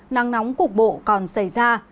nắng nóng cục bộ còn xảy ra